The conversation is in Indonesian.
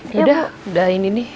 yaudah udah ini nih